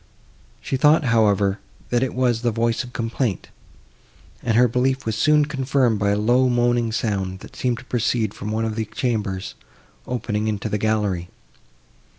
She thought, however, that it was the voice of complaint, and her belief was soon confirmed by a low moaning sound, that seemed to proceed from one of the chambers, opening into the gallery.